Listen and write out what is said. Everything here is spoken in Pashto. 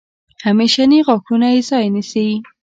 همیشني غاښونه یې ځای نیسي.